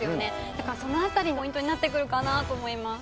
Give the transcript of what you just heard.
だからその辺りポイントになってくるかなと思います。